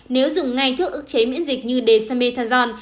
nếu dùng ngay thuốc ức chế miễn dịch như dexamethasone